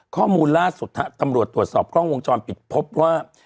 ข้อมูลล่าสุดตำรวจตรวจสอบกล้องวงจรปิดพบว่า